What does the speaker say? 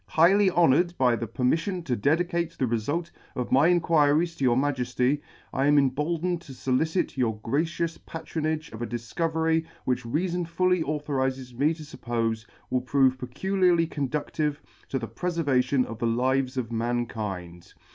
Highly honoured by the permiffion to dedi cate the refult of my Inquiries to your Majelly, I am emboldened to folicit your gracious pa tronage of a difcovery which reafon fully authorizes me to fuppofe will prove peculiarly conducive to the prefervation of the lives of mankind.